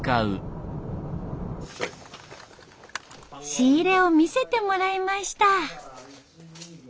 仕入れを見せてもらいました。